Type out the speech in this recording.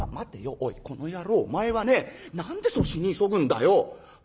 おいこの野郎お前はね何でそう死に急ぐんだよ。